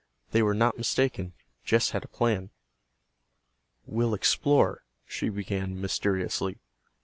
They were not mistaken. Jess had a plan. "We'll explore," she began mysteriously.